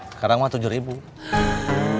sekarang mah rp tujuh